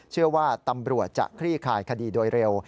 เชื่อว่าตำรวจจะคลี่คายคดีโดยเร็ว